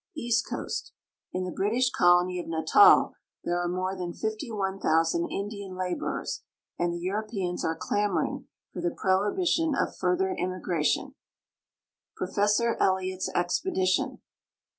Ea.st Coast. In the British Colony of Natal there are more than 51,000 Indian laborers, and the Europeans are clamoi'ing for the prohi bition of further immigration. Profe ssor Elliot's Expedition.